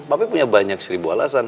tapi punya banyak seribu alasan